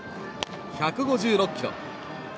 １５６キロ。